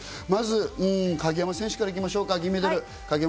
まず鍵山選手から行きましょうか、銀メダル。